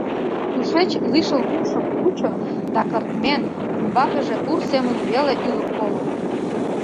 Тушеч лишыл укшым кучо да, кыртмен, умбакыже ур семын веле ӱлык воло!